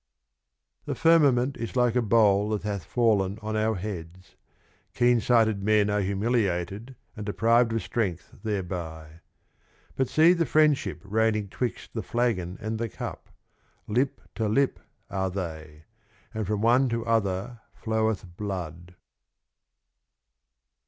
(3^ J The Firmament is like a Bowl that hath Fallen on our Heads : keensighted Men are humiliated and deprived of Strength there by. But see the Friendship reigning 'twixt the Flagon and the Cup : Lip to Lip are they ; and from one to other floweth Blood.